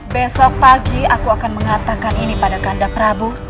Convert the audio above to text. besok pagi aku akan mengatakan ini pada kanda prabu